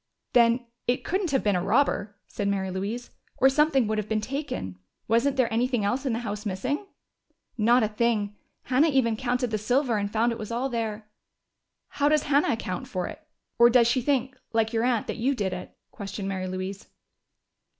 "Then it couldn't have been a robber," said Mary Louise. "Or something would have been taken. Wasn't there anything else in the house missing?" "Not a thing! Hannah even counted the silver and found it was all there." "How does Hannah account for it? Or does she think, like your aunt, that you did it?" questioned Mary Louise.